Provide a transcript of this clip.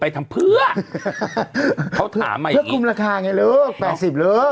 ทำเพื่อเขาถามไงเพื่อคุมราคาไงลูกแปดสิบเลิก